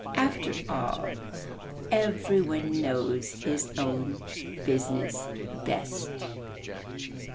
After all, every one knows his own business best.'